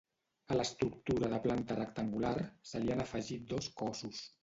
A l'estructura de planta rectangular se li han afegit dos cossos.